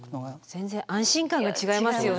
全然安心感が違いますよね。